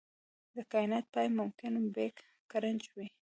د کائنات پای ممکن بیګ کرنچ وي.